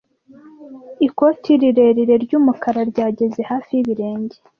Ikoti rirerire ry'umukara ryageze hafi y'ibirenge.